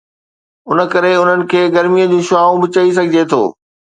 ان ڪري انهن کي گرميءَ جون شعاعون به چئي سگهجي ٿو